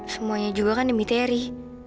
semuanya juga kan demi teri